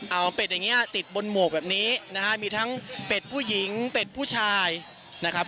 เอาเป็ดอย่างเงี้ติดบนหมวกแบบนี้นะฮะมีทั้งเป็ดผู้หญิงเป็ดผู้ชายนะครับ